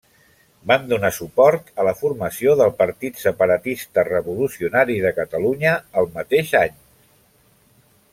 Van donar suport a la formació del Partit Separatista Revolucionari de Catalunya el mateix any.